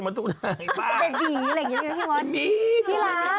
แบบนี้ไหมพี่มอน